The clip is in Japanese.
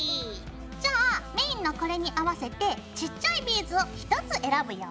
じゃあメインのこれに合わせてちっちゃいビーズを１つ選ぶよ。